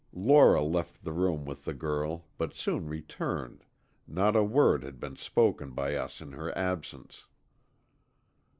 Lora left the room with the girl, but soon returned, Not a word had been spoken by us in her absence.